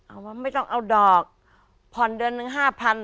เอาว่าไม่ต้องเอาดอกผ่อนเดือนหนึ่งห้าพัน